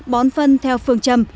bón phân theo phương châm